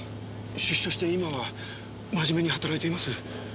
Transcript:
出所して今は真面目に働いています。